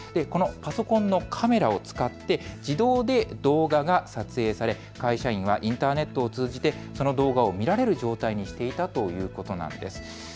このパソコンのカメラを使って自動で動画が撮影され会社員はインターネットを通じてその動画を見られる状態にしていたということなんです。